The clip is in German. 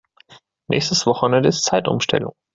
Nächstes Wochenende ist Zeitumstellung.